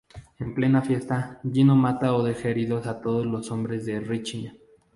En plena fiesta, Gino mata o deja heridos a todos los hombres de Richie.